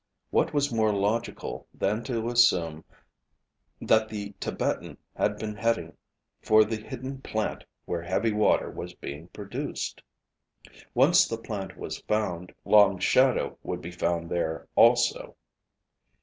What was more logical than to assume that the Tibetan had been heading for the hidden plant where heavy water was being produced? Once the plant was found, Long Shadow would be found there, also.